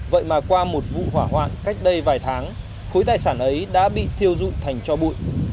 vậy mà qua một vụ hỏa hoạn cách đây vài tháng khối tài sản ấy đã bị thiêu dụi thành cho bụi